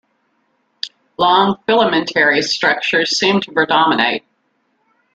Long filamentary structures seem to predominate.